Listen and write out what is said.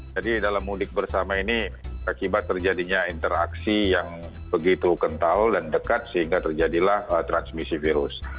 jadi dalam mudik bersama ini akibat terjadinya interaksi yang begitu kental dan dekat sehingga terjadilah transmisi virus